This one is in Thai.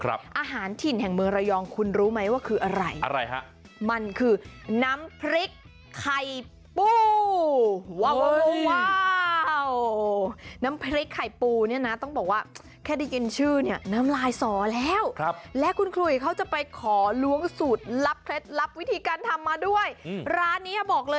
อาหารถิ่นแห่งเมืองระยองคุณรู้ไหมว่าคืออะไร